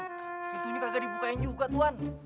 pintunya kagak dibukain juga tuan